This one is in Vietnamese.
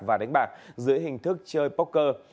và đánh bạc dưới hình thức chơi poker